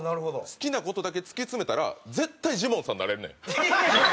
好きな事だけ突き詰めたら絶対ジモンさんになれるねん。